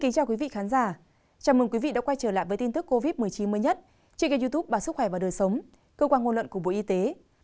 chào mừng quý vị đã quay trở lại với tin tức covid một mươi chín mới nhất trên kênh youtube bà sức khỏe và đời sống cơ quan ngôn luận của bộ y tế